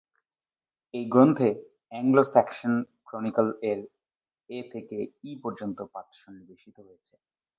এই গ্রন্থে "অ্যাংলো-স্যাক্সন ক্রনিকল"-এর এ থেকে ই পর্যন্ত পাঠ সন্নিবেশিত হয়েছে।